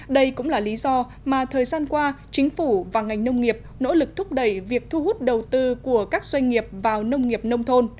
đây cũng là lý do mà thời gian qua chính phủ và ngành nông nghiệp nỗ lực thúc đẩy việc thu hút đầu tư của các doanh nghiệp vào nông nghiệp nông thôn